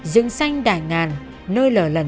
dừng xanh đại ngàn nơi lở lần